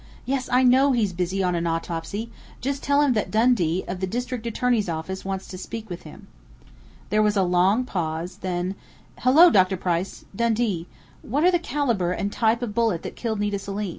Yes, I know he's busy on an autopsy. Just tell him that Dundee, of the district attorney's office, wants to speak to him." There was a long pause, then: "Hello, Dr. Price!... Dundee.... What are the caliber and type of bullet that killed Nita Selim?...